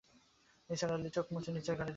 নিসার আলি চোখ মুছে নিজের ঘরে ঢুকলেন।